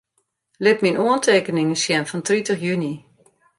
Lit myn oantekeningen sjen fan tritich juny.